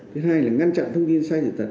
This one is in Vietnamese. thứ hai là ngăn chặn thông tin sai sự thật